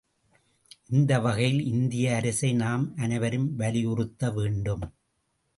இந்த வகையில் இந்திய அரசை நாம் அனைவரும் வலியுறுத்த வேண்டும்.